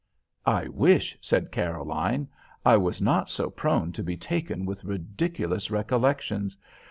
"I wish," said Caroline, "I was not so prone to be taken with ridiculous recollections.